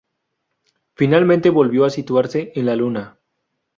Finalmente volvió a situarse en la Luna.